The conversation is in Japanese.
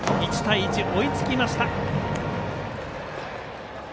１対１と追いつきました。